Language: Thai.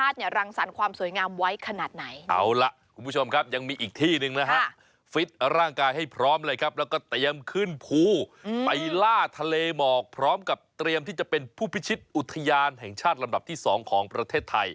เตรียมที่จะเป็นผู้พิชิตอุทยานแห่งชาติลำดับที่สองของประเทศไทย